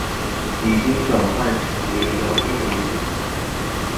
已經轉換成為聊天為主